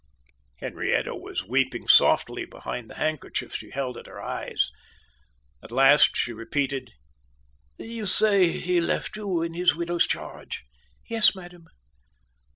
Henrietta was weeping softly behind the handkerchief she held at her eyes. At last she repeated: "You say he left you in his widow's charge?" "Yes, madam."